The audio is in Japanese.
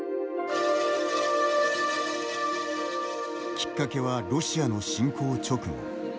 きっかけはロシアの侵攻直後。